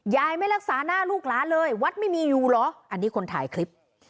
ไม่รักษาหน้าลูกหลานเลยวัดไม่มีอยู่เหรออันนี้คนถ่ายคลิป